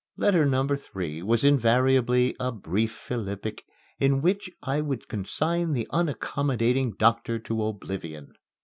Letter number three was invariably a brief philippic in which I would consign the unaccommodating doctor to oblivion.